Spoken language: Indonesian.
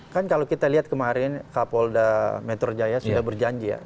kan kalau kita lihat kemarin kapolda metro jaya sudah berjanji ya